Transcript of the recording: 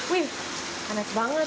wih panas banget